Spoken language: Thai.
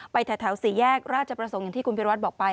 แถวสี่แยกราชประสงค์อย่างที่คุณพิวัตรบอกไป